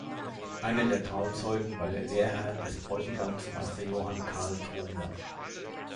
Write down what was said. Einer der Trauzeugen war der Lehrherr des Bräutigams Meister Johann Carl Trumler.